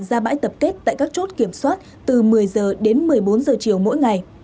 ra bãi tập kết tại các chốt kiểm soát từ một mươi giờ đến một mươi bốn giờ chiều mỗi ngày